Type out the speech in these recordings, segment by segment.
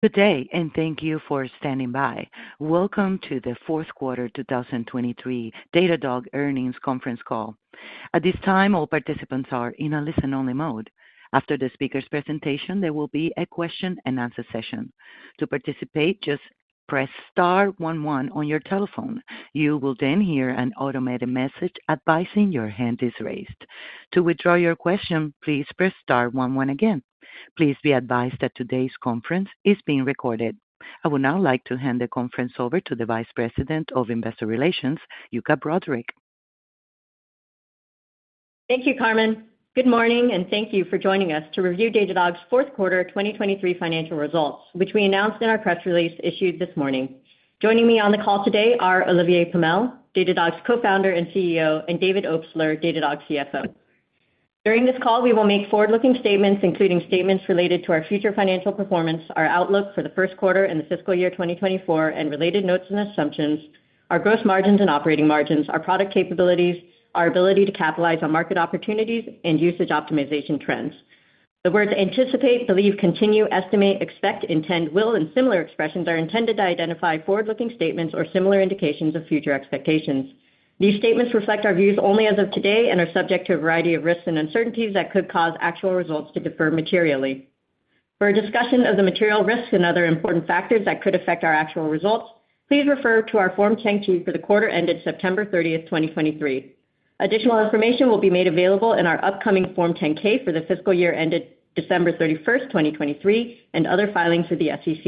Good day, and thank you for standing by. Welcome to the Q4 2023 Datadog earnings conference call. At this time, all participants are in a listen-only mode. After the speaker's presentation, there will be a question-and-answer session. To participate, just press star one one on your telephone. You will then hear an automated message advising your hand is raised. To withdraw your question, please press star one one again. Please be advised that today's conference is being recorded. I would now like to hand the conference over to the Vice President of Investor Relations, Yuka Broderick. Thank you, Carmen. Good morning, and thank you for joining us to review Datadog's Q4 2023 financial results, which we announced in our press release issued this morning. Joining me on the call today are Olivier Pomel, Datadog's Co-founder and CEO, and David Obstler, Datadog's CFO. During this call, we will make forward-looking statements, including statements related to our future financial performance, our outlook for the Q1 and the fiscal year 2024, and related notes and assumptions, our gross margins and operating margins, our product capabilities, our ability to capitalize on market opportunities, and usage optimization trends. The words anticipate, believe, continue, estimate, expect, intend, will, and similar expressions are intended to identify forward-looking statements or similar indications of future expectations. These statements reflect our views only as of today and are subject to a variety of risks and uncertainties that could cause actual results to differ materially. For a discussion of the material risks and other important factors that could affect our actual results, please refer to our Form 10-K for the quarter ended September 30, 2023. Additional information will be made available in our upcoming Form 10-K for the fiscal year ended December 31, 2023, and other filings with the SEC.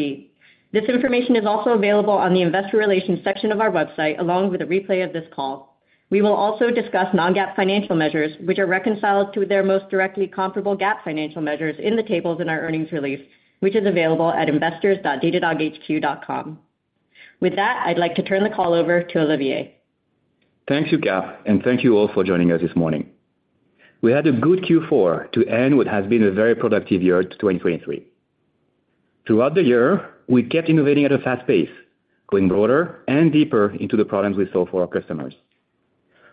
This information is also available on the investor relations section of our website, along with a replay of this call. We will also discuss non-GAAP financial measures, which are reconciled to their most directly comparable GAAP financial measures in the tables in our earnings release, which is available at investors.datadoghq.com. With that, I'd like to turn the call over to Olivier. Thank you, Yuka, and thank you all for joining us this morning. We had a good Q4 to end what has been a very productive year, 2023. Throughout the year, we kept innovating at a fast pace, going broader and deeper into the problems we solve for our customers.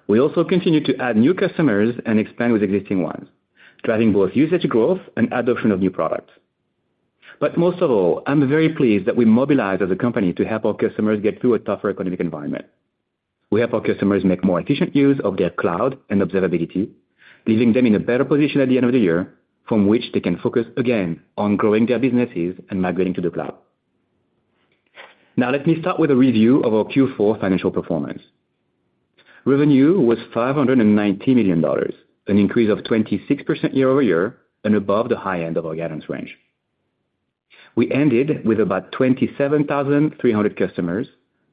We also continued to add new customers and expand with existing ones, driving both usage growth and adoption of new products. But most of all, I'm very pleased that we mobilized as a company to help our customers get through a tougher economic environment. We help our customers make more efficient use of their cloud and observability, leaving them in a better position at the end of the year, from which they can focus again on growing their businesses and migrating to the cloud. Now, let me start with a review of our Q4 financial performance. Revenue was $590 million, an increase of 26% year-over-year and above the high end of our guidance range. We ended with about 27,300 customers,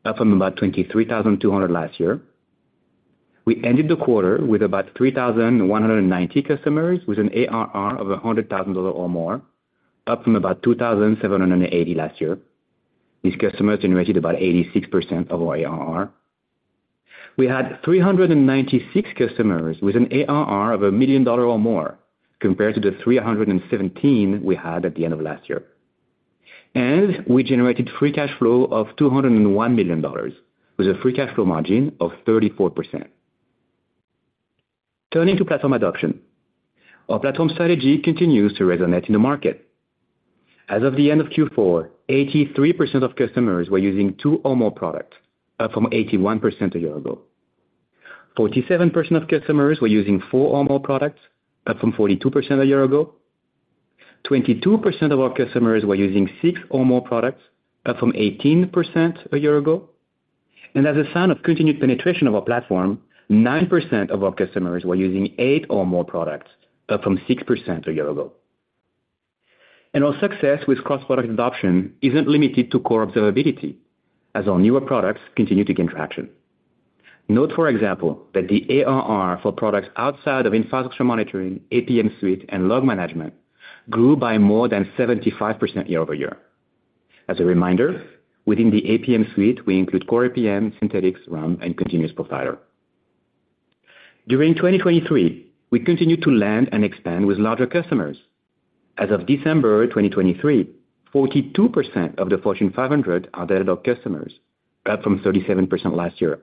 up from about 23,200 last year. We ended the quarter with about 3,190 customers, with an ARR of $100,000 or more, up from about 2,780 last year. These customers generated about 86% of our ARR. We had 396 customers with an ARR of $1 million or more, compared to the 317 we had at the end of last year. We generated free cash flow of $201 million, with a free cash flow margin of 34%. Turning to platform adoption. Our platform strategy continues to resonate in the market. As of the end of Q4, 83% of customers were using 2 or more products, up from 81% a year ago. 47% of customers were using 4 or more products, up from 42% a year ago. 22% of our customers were using 6 or more products, up from 18% a year ago. As a sign of continued penetration of our platform, 9% of our customers were using 8 or more products, up from 6% a year ago. Our success with cross-product adoption isn't limited to core observability, as our newer products continue to gain traction. Note, for example, that the ARR for products outside of Infrastructure Monitoring, APM Suite, and Log Management grew by more than 75% year-over-year. As a reminder, within the APM Suite, we include core APM, Synthetics, RUM, and Continuous Profiler. During 2023, we continued to land and expand with larger customers. As of December 2023, 42% of the Fortune 500 are Datadog customers, up from 37% last year.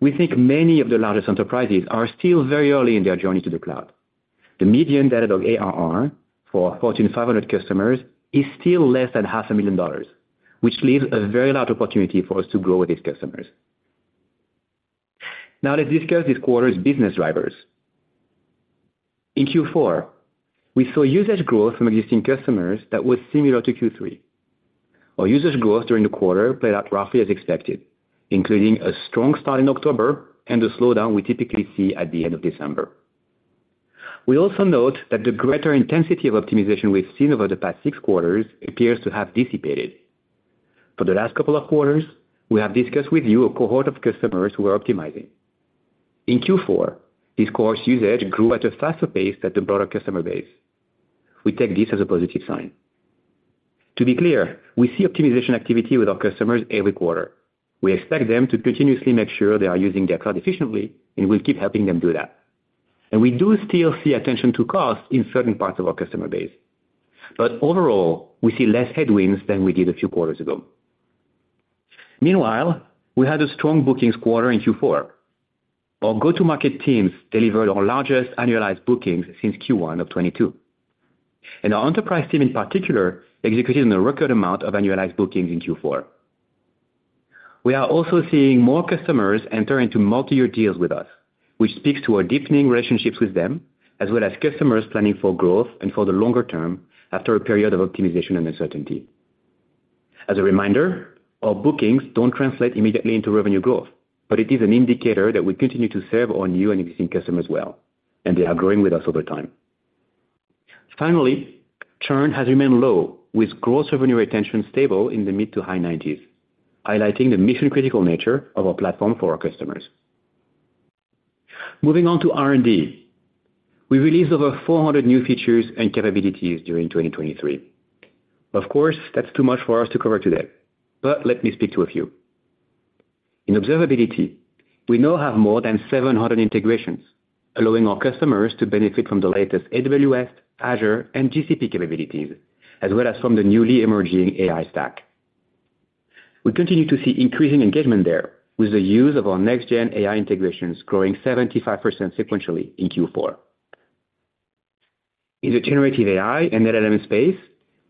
We think many of the largest enterprises are still very early in their journey to the cloud. The median Datadog ARR for Fortune 500 customers is still less than $500,000, which leaves a very large opportunity for us to grow with these customers. Now, let's discuss this quarter's business drivers. In Q4, we saw usage growth from existing customers that was similar to Q3. Our usage growth during the quarter played out roughly as expected, including a strong start in October and the slowdown we typically see at the end of December. We also note that the greater intensity of optimization we've seen over the past six quarters appears to have dissipated. For the last couple of quarters, we have discussed with you a cohort of customers who are optimizing. In Q4, this cohort's usage grew at a faster pace than the broader customer base. We take this as a positive sign. To be clear, we see optimization activity with our customers every quarter. We expect them to continuously make sure they are using their cloud efficiently, and we'll keep helping them do that. We do still see attention to cost in certain parts of our customer base. But overall, we see less headwinds than we did a few quarters ago. Meanwhile, we had a strong bookings quarter in Q4. Our go-to-market teams delivered our largest annualized bookings since Q1 of 2022. Our enterprise team, in particular, executed on a record amount of annualized bookings in Q4. We are also seeing more customers enter into multi-year deals with us, which speaks to our deepening relationships with them, as well as customers planning for growth and for the longer term after a period of optimization and uncertainty. As a reminder, our bookings don't translate immediately into revenue growth, but it is an indicator that we continue to serve our new and existing customers well, and they are growing with us over time. Finally, churn has remained low, with gross revenue retention stable in the mid- to high 90s, highlighting the mission-critical nature of our platform for our customers. Moving on to R&D. We released over 400 new features and capabilities during 2023. Of course, that's too much for us to cover today, but let me speak to a few. In observability, we now have more than 700 integrations, allowing our customers to benefit from the latest AWS, Azure, and GCP capabilities, as well as from the newly emerging AI stack. We continue to see increasing engagement there, with the use of our next-gen AI integrations growing 75% sequentially in Q4. In the generative AI and LLM space,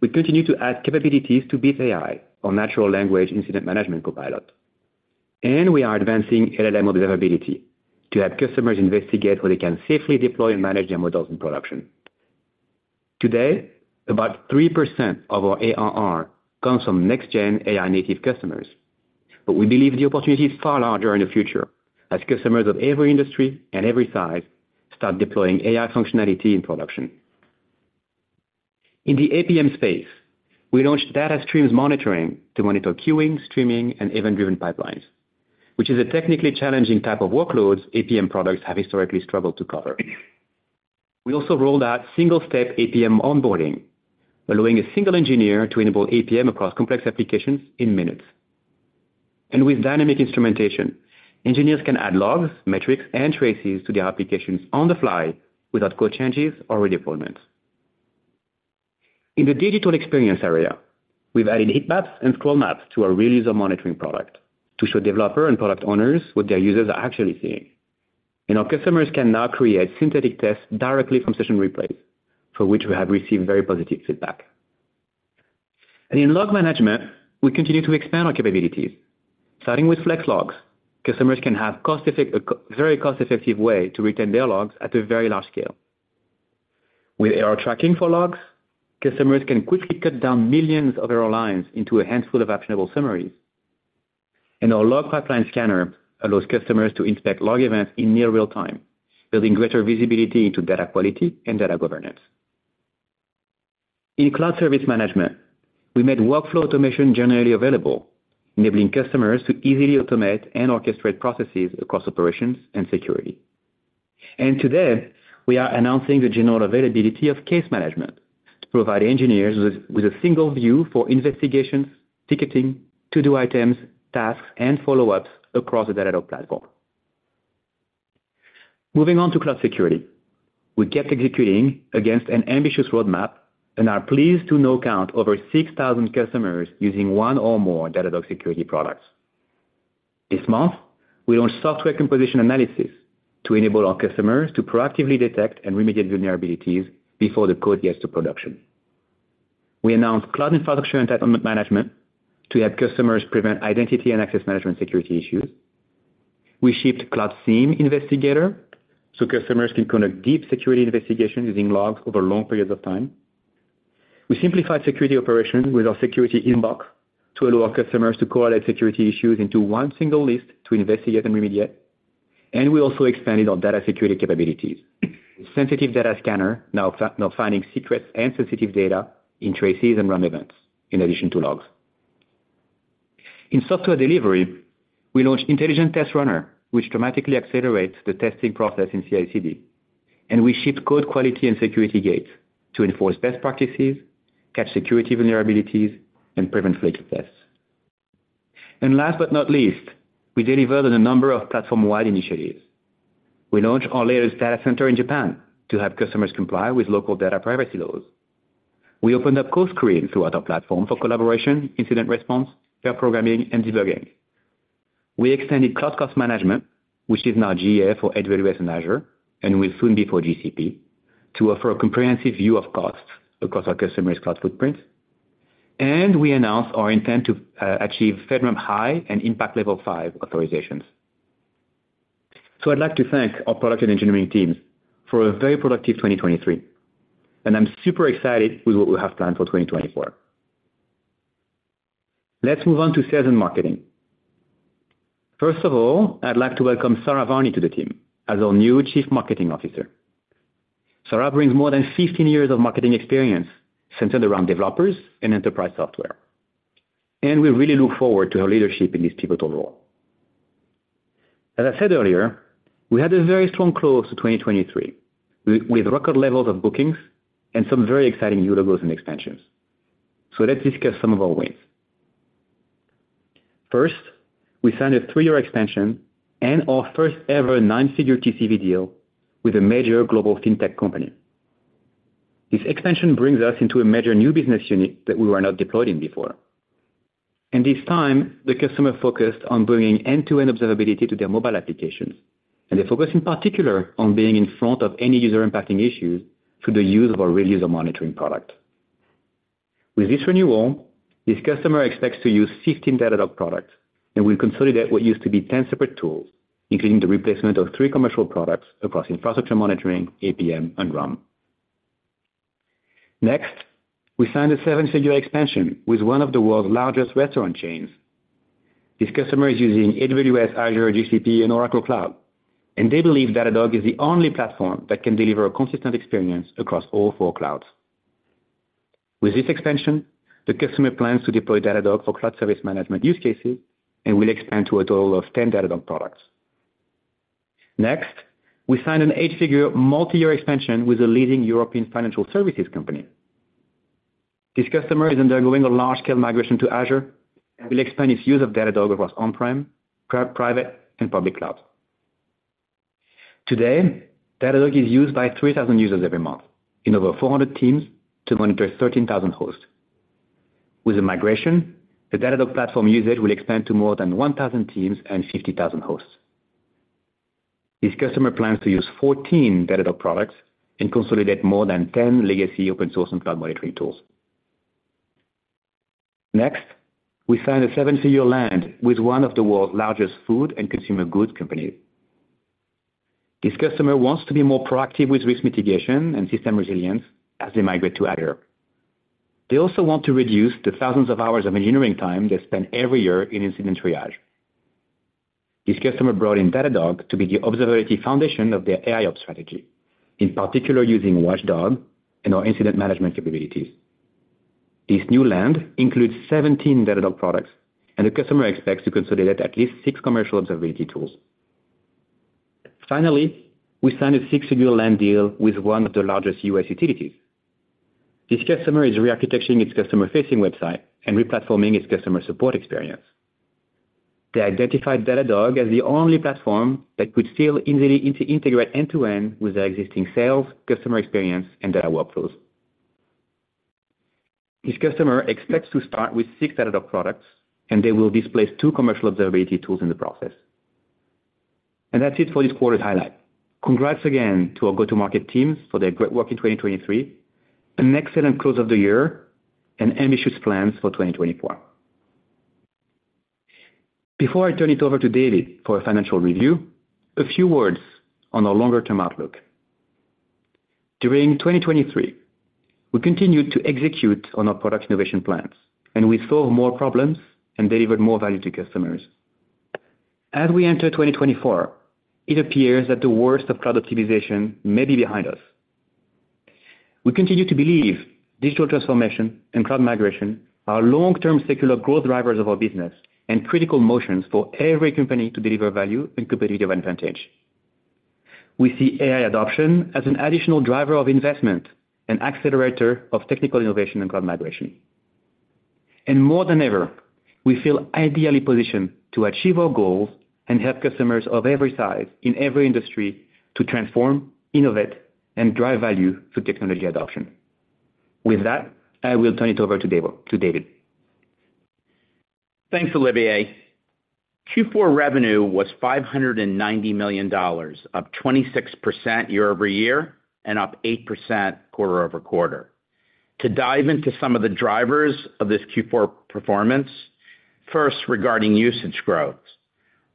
we continue to add capabilities to Bits AI, our natural language Incident Management copilot. And we are advancing LLM observability to help customers investigate where they can safely deploy and manage their models in production. Today, about 3% of our ARR comes from next-gen AI-native customers, but we believe the opportunity is far larger in the future as customers of every industry and every size start deploying AI functionality in production. In the APM space, we launched Data Streams Monitoring to monitor queuing, streaming, and event-driven pipelines, which is a technically challenging type of workloads APM products have historically struggled to cover. We also rolled out single-step APM onboarding, allowing a single engineer to enable APM across complex applications in minutes. And with Dynamic Instrumentation, engineers can add logs, metrics, and traces to their applications on the fly without code changes or redeployments. In the digital experience area, we've added Heatmaps and Scrollmaps to our Real User Monitoring product to show developer and product owners what their users are actually seeing. And our customers can now create synthetic tests directly from session replays, for which we have received very positive feedback. And in Log Management, we continue to expand our capabilities. Starting with Flex Logs, customers can have a very cost-effective way to retain their logs at a very large scale. With Error Tracking for logs, customers can quickly cut down millions of error lines into a handful of actionable summaries. And our log pipeline scanner allows customers to inspect log events in near real time, building greater visibility into data quality and data governance. In cloud service management, we made Workflow Automation generally available, enabling customers to easily automate and orchestrate processes across operations and security. And today, we are announcing the general availability of Case Management to provide engineers with a single view for investigations, ticketing, to-do items, tasks, and follow-ups across the Datadog platform. Moving on to cloud security. We kept executing against an ambitious roadmap and are pleased to now count over 6,000 customers using one or more Datadog security products. This month, we launched Software Composition Analysis to enable our customers to proactively detect and remediate vulnerabilities before the code gets to production. We announced Cloud Infrastructure Entitlement Management to help customers prevent identity and access management security issues. We shipped Cloud SIEM Investigator, so customers can conduct deep security investigations using logs over long periods of time. We simplified security operations with our Security Inbox to allow our customers to correlate security issues into one single list to investigate and remediate. And we also expanded our data security capabilities. Sensitive Data Scanner now finding secrets and sensitive data in traces and RUM events, in addition to logs. In software delivery, we launched Intelligent Test Runner, which dramatically accelerates the testing process in CI/CD, and we ship code quality and security gates to enforce best practices, catch security vulnerabilities, and prevent flaky tests. Last but not least, we delivered on a number of platform-wide initiatives. We launched our latest data center in Japan to help customers comply with local data privacy laws. We opened up CoScreen throughout our platform for collaboration, incident response, pair programming, and debugging. We extended Cloud Cost Management, which is now GA for AWS and Azure, and will soon be for GCP, to offer a comprehensive view of costs across our customers' cloud footprint. We announced our intent to achieve FedRAMP High and Impact Level 5 authorizations. I'd like to thank our product and engineering teams for a very productive 2023, and I'm super excited with what we have planned for 2024. Let's move on to sales and marketing. First of all, I'd like to welcome Sara Varni to the team as our new Chief Marketing Officer. Sara brings more than 15 years of marketing experience centered around developers and enterprise software, and we really look forward to her leadership in this pivotal role. As I said earlier, we had a very strong close to 2023, with record levels of bookings and some very exciting new logos and expansions. So let's discuss some of our wins. First, we signed a 3-year extension and our first-ever nine-figure TCV deal with a major global fintech company. This expansion brings us into a major new business unit that we were not deployed in before. And this time, the customer focused on bringing end-to-end observability to their mobile applications, and they focused in particular on being in front of any user-impacting issues through the use of our Real User Monitoring product. With this renewal, this customer expects to use 15 Datadog products and will consolidate what used to be 10 separate tools, including the replacement of 3 commercial products across Infrastructure Monitoring, APM, and RUM. Next, we signed a 7-figure expansion with one of the world's largest restaurant chains. This customer is using AWS, Azure, GCP, and Oracle Cloud, and they believe Datadog is the only platform that can deliver a consistent experience across all four clouds. With this expansion, the customer plans to deploy Datadog for cloud service management use cases and will expand to a total of 10 Datadog products. Next, we signed an 8-figure, multi-year expansion with a leading European financial services company. This customer is undergoing a large-scale migration to Azure and will expand its use of Datadog across on-prem, private, and public cloud. Today, Datadog is used by 3,000 users every month in over 400 teams to monitor 13,000 hosts. With the migration, the Datadog platform usage will expand to more than 1,000 teams and 50,000 hosts. This customer plans to use 14 Datadog products and consolidate more than 10 legacy open source and cloud monitoring tools. Next, we signed a seven-figure deal with one of the world's largest food and consumer goods company. This customer wants to be more proactive with risk mitigation and system resilience as they migrate to Azure. They also want to reduce the thousands of hours of engineering time they spend every year in incident triage. This customer brought in Datadog to be the observability foundation of their AIOps strategy, in particular using Watchdog and our Incident Management capabilities. This new land includes 17 Datadog products, and the customer expects to consolidate at least six commercial observability tools. Finally, we signed a six-figure land deal with one of the largest U.S. utilities. This customer is rearchitecturing its customer-facing website and replatforming its customer support experience. They identified Datadog as the only platform that could still easily integrate end-to-end with their existing sales, customer experience, and data workflows. This customer expects to start with six Datadog products, and they will displace two commercial observability tools in the process. And that's it for this quarter's highlight. Congrats again to our go-to-market teams for their great work in 2023, an excellent close of the year and ambitious plans for 2024. Before I turn it over to David for a financial review, a few words on our longer-term outlook. During 2023, we continued to execute on our product innovation plans, and we solved more problems and delivered more value to customers. As we enter 2024, it appears that the worst of cloud optimization may be behind us. We continue to believe digital transformation and cloud migration are long-term secular growth drivers of our business and critical motions for every company to deliver value and competitive advantage. We see AI adoption as an additional driver of investment and accelerator of technical innovation and cloud migration. More than ever, we feel ideally positioned to achieve our goals and help customers of every size in every industry to transform, innovate, and drive value through technology adoption. With that, I will turn it over to David, to David. Thanks, Olivier. Q4 revenue was $590 million, up 26% year-over-year and up 8% quarter-over-quarter. To dive into some of the drivers of this Q4 performance, first, regarding usage growth.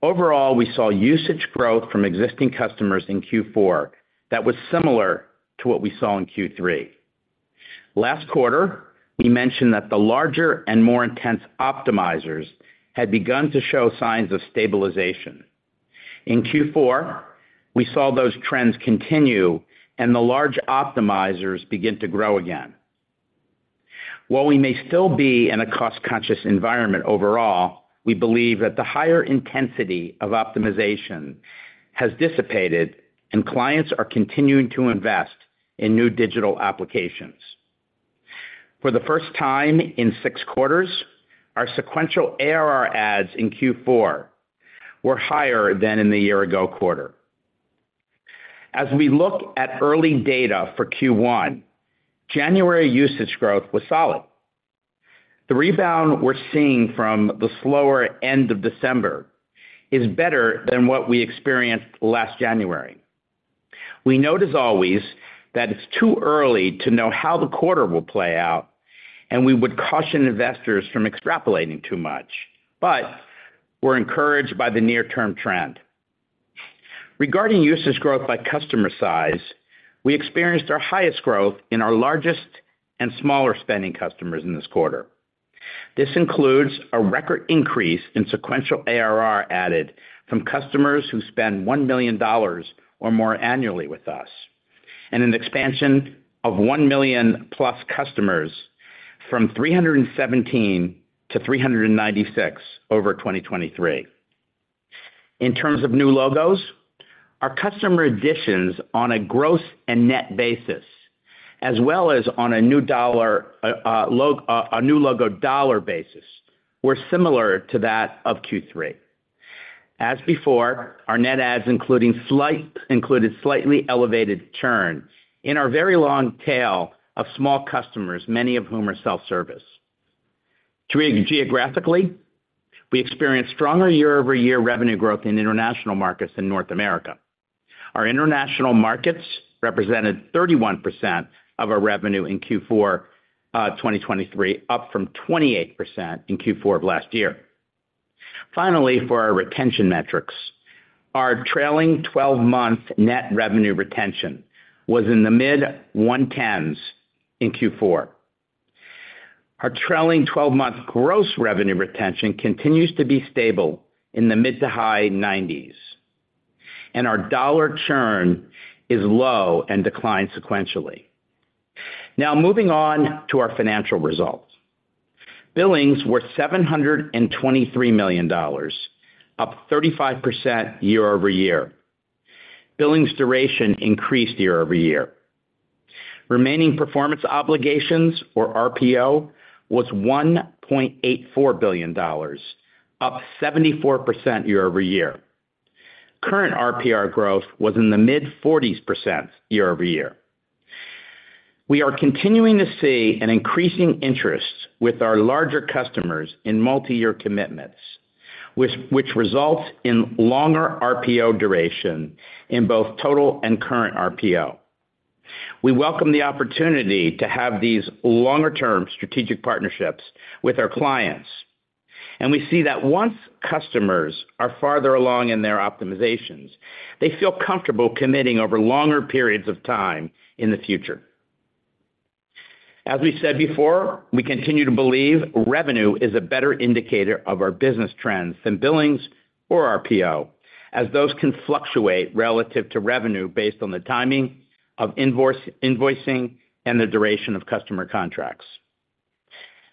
Overall, we saw usage growth from existing customers in Q4 that was similar to what we saw in Q3. Last quarter, we mentioned that the larger and more intense optimizers had begun to show signs of stabilization. In Q4, we saw those trends continue and the large optimizers begin to grow again. While we may still be in a cost-conscious environment overall, we believe that the higher intensity of optimization has dissipated, and clients are continuing to invest in new digital applications. For the first time in 6 quarters, our sequential ARR adds in Q4 were higher than in the year-ago quarter. As we look at early data for Q1, January usage growth was solid. The rebound we're seeing from the slower end of December is better than what we experienced last January. We note, as always, that it's too early to know how the quarter will play out, and we would caution investors from extrapolating too much, but we're encouraged by the near-term trend. Regarding usage growth by customer size, we experienced our highest growth in our largest and smaller-spending customers in this quarter. This includes a record increase in sequential ARR added from customers who spend $1 million or more annually with us, and an expansion of 1 million-plus customers from 317 to 396 over 2023. In terms of new logos, our customer additions on a growth and net basis, as well as on a new logo dollar basis, were similar to that of Q3. As before, our net adds included slightly elevated churn in our very long tail of small customers, many of whom are self-service. Geographically, we experienced stronger year-over-year revenue growth in international markets than North America. Our international markets represented 31% of our revenue in Q4 2023, up from 28% in Q4 of last year. Finally, for our retention metrics, our trailing twelve-month net revenue retention was in the mid-110s in Q4. Our trailing twelve-month gross revenue retention continues to be stable in the mid- to high 90s, and our dollar churn is low and declined sequentially. Now, moving on to our financial results. Billings were $723 million, up 35% year-over-year. Billings duration increased year-over-year. Remaining performance obligations, or RPO, was $1.84 billion, up 74% year-over-year. Current RPO growth was in the mid-40s% year-over-year. We are continuing to see an increasing interest with our larger customers in multiyear commitments, which results in longer RPO duration in both total and current RPO. We welcome the opportunity to have these longer-term strategic partnerships with our clients, and we see that once customers are farther along in their optimizations, they feel comfortable committing over longer periods of time in the future. As we said before, we continue to believe revenue is a better indicator of our business trends than billings or RPO, as those can fluctuate relative to revenue based on the timing of invoice, invoicing and the duration of customer contracts.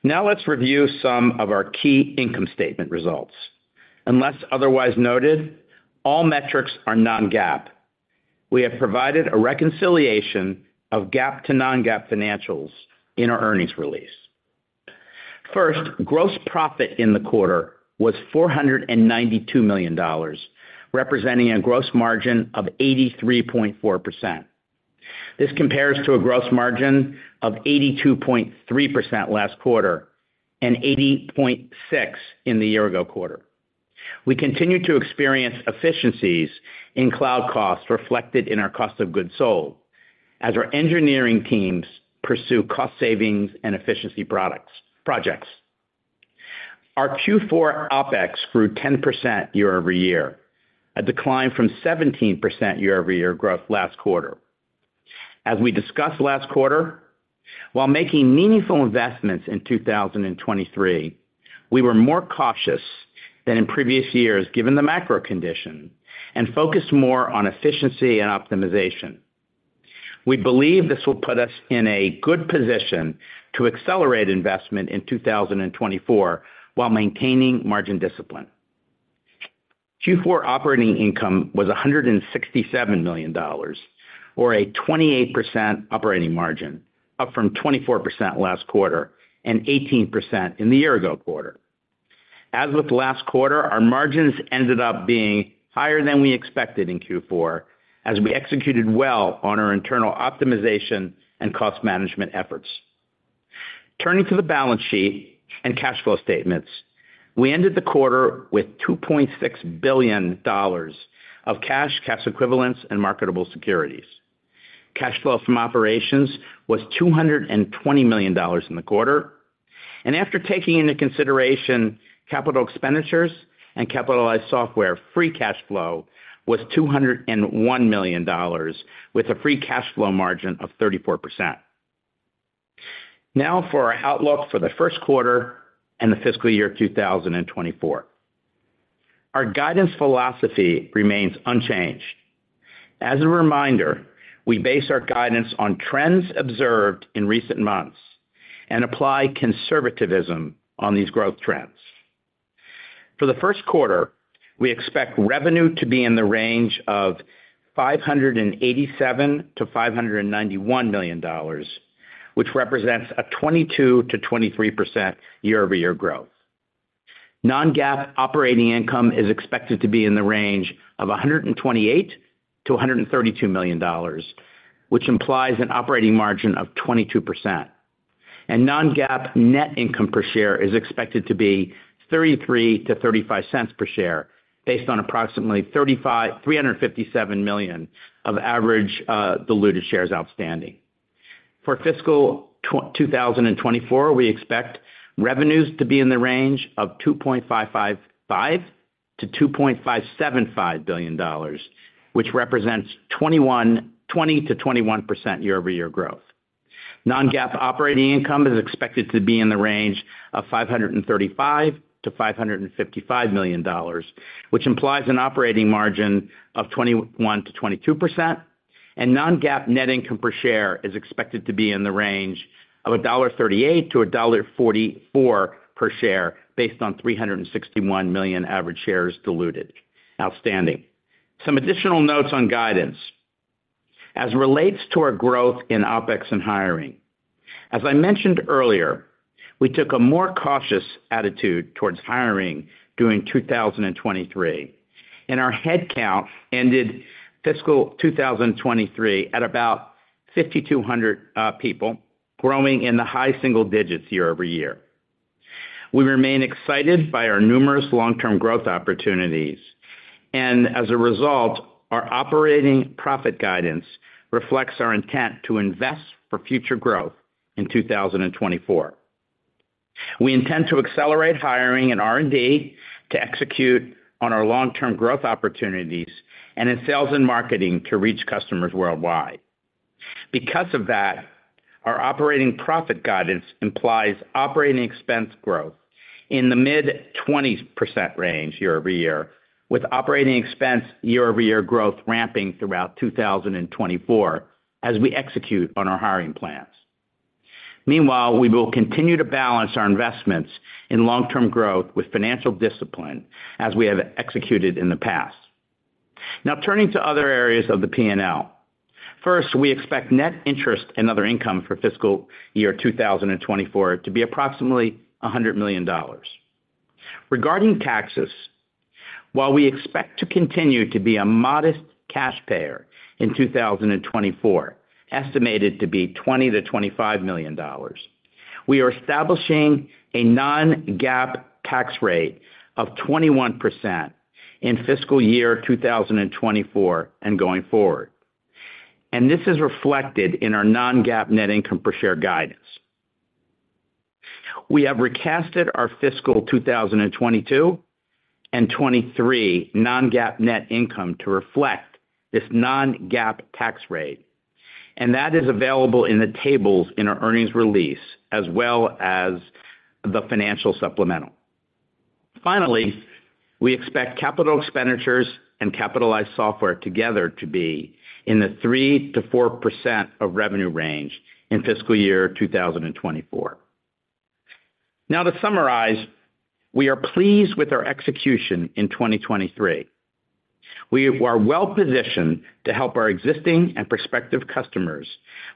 Now let's review some of our key income statement results. Unless otherwise noted, all metrics are non-GAAP. We have provided a reconciliation of GAAP to non-GAAP financials in our earnings release. First, gross profit in the quarter was $492 million, representing a gross margin of 83.4%. This compares to a gross margin of 82.3% last quarter and 80.6% in the year-ago quarter. We continue to experience efficiencies in cloud costs reflected in our cost of goods sold, as our engineering teams pursue cost savings and efficiency products, projects. Our Q4 OpEx grew 10% year-over-year, a decline from 17% year-over-year growth last quarter. As we discussed last quarter, while making meaningful investments in 2023, we were more cautious than in previous years, given the macro condition, and focused more on efficiency and optimization. We believe this will put us in a good position to accelerate investment in 2024 while maintaining margin discipline. Q4 operating income was $167 million, or a 28% operating margin, up from 24% last quarter and 18% in the year-ago quarter. As with last quarter, our margins ended up being higher than we expected in Q4, as we executed well on our internal optimization and cost management efforts. Turning to the balance sheet and cash flow statements, we ended the quarter with $2.6 billion of cash, cash equivalents, and marketable securities. Cash flow from operations was $220 million in the quarter, and after taking into consideration capital expenditures and capitalized software, free cash flow was $201 million, with a free cash flow margin of 34%. Now for our outlook for the Q1 and the fiscal year 2024. Our guidance philosophy remains unchanged. As a reminder, we base our guidance on trends observed in recent months and apply conservativism on these growth trends. For the Q1, we expect revenue to be in the range of $587 million-$591 million, which represents a 22%-23% year-over-year growth. Non-GAAP operating income is expected to be in the range of $128 million-$132 million, which implies an operating margin of 22%. Non-GAAP net income per share is expected to be $0.33-$0.35 per share, based on approximately 357 million average diluted shares outstanding. For fiscal 2024, we expect revenues to be in the range of $2.555 billion-$2.575 billion, which represents 20%-21% year-over-year growth. Non-GAAP operating income is expected to be in the range of $535 million-$555 million, which implies an operating margin of 21%-22%, and non-GAAP net income per share is expected to be in the range of $1.38-$1.44 per share, based on 361 million average shares diluted outstanding. Some additional notes on guidance... as relates to our growth in OpEx and hiring, as I mentioned earlier, we took a more cautious attitude towards hiring during 2023, and our headcount ended fiscal 2023 at about 5,200 people, growing in the high single digits year-over-year. We remain excited by our numerous long-term growth opportunities, and as a result, our operating profit guidance reflects our intent to invest for future growth in 2024. We intend to accelerate hiring in R&D to execute on our long-term growth opportunities and in sales and marketing to reach customers worldwide. Because of that, our operating profit guidance implies operating expense growth in the mid-20% range year-over-year, with operating expense year-over-year growth ramping throughout 2024 as we execute on our hiring plans. Meanwhile, we will continue to balance our investments in long-term growth with financial discipline, as we have executed in the past. Now, turning to other areas of the P&L. First, we expect net interest and other income for fiscal year 2024 to be approximately $100 million. Regarding taxes, while we expect to continue to be a modest cash payer in 2024, estimated to be $20 million-$25 million, we are establishing a non-GAAP tax rate of 21% in fiscal year 2024 and going forward, and this is reflected in our non-GAAP net income per share guidance. We have recast our fiscal 2022 and 2023 non-GAAP net income to reflect this non-GAAP tax rate, and that is available in the tables in our earnings release, as well as the financial supplemental. Finally, we expect capital expenditures and capitalized software together to be in the 3%-4% of revenue range in fiscal year 2024. Now, to summarize, we are pleased with our execution in 2023. We are well positioned to help our existing and prospective customers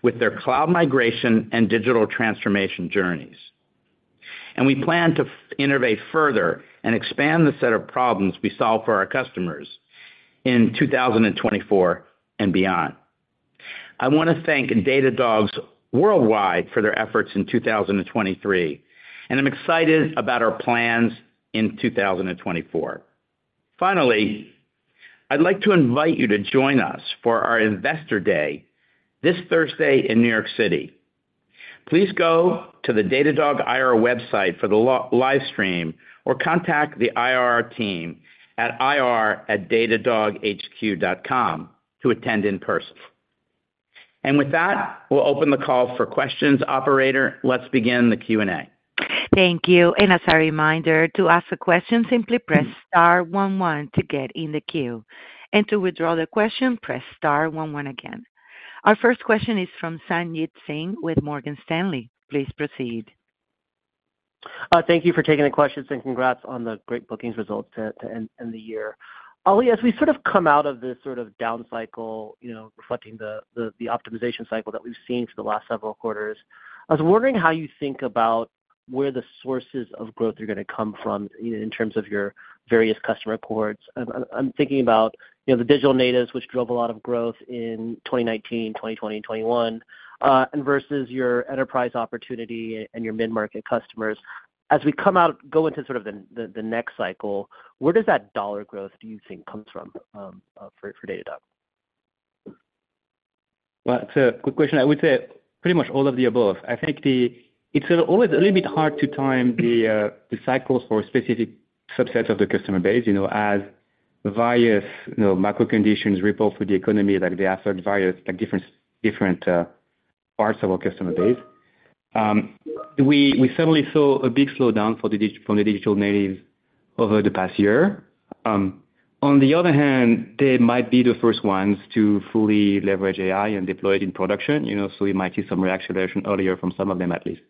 with their cloud migration and digital transformation journeys, and we plan to innovate further and expand the set of problems we solve for our customers in 2024 and beyond. I wanna thank Datadogs worldwide for their efforts in 2023, and I'm excited about our plans in 2024. Finally, I'd like to invite you to join us for our Investor Day this Thursday in New York City. Please go to the Datadog IR website for the live stream, or contact the IR team at ir@datadoghq.com to attend in person. And with that, we'll open the call for questions. Operator, let's begin the Q&A. Thank you. And as a reminder, to ask a question, simply press star one one to get in the queue. And to withdraw the question, press star one one again. Our first question is from Sanjit Singh with Morgan Stanley. Please proceed. Thank you for taking the questions, and congrats on the great bookings results to end the year. Oli, as we sort of come out of this sort of down cycle, you know, reflecting the optimization cycle that we've seen for the last several quarters, I was wondering how you think about where the sources of growth are gonna come from in terms of your various customer cohorts. I'm thinking about, you know, the digital natives, which drove a lot of growth in 2019, 2020 and 2021, and versus your enterprise opportunity and your mid-market customers. As we come out go into sort of the next cycle, where does that dollar growth do you think comes from, for Datadog? Well, it's a good question. I would say pretty much all of the above. I think the... It's sort of always a little bit hard to time the cycles for a specific subset of the customer base, you know, as various, you know, macro conditions ripple through the economy, like, they affect various, like, different parts of our customer base. We certainly saw a big slowdown from the digital natives over the past year. On the other hand, they might be the first ones to fully leverage AI and deploy it in production, you know, so we might see some reacceleration earlier from some of them, at least.